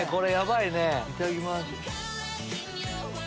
いただきます。